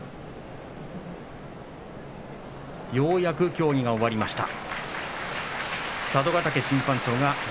ようやく協議が終わりました。